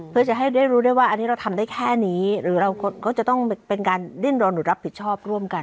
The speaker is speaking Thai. เพื่อจะให้ได้รู้ได้ว่าอันนี้เราทำได้แค่นี้หรือเราก็จะต้องเป็นการดิ้นรนหรือรับผิดชอบร่วมกัน